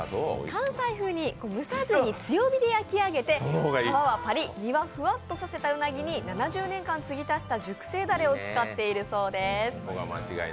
関西風に蒸さずに強火で焼き上げて皮はパリ、身はふわっとさせたうなぎに７０年間継ぎ足した熟成だれを合わせているそうです。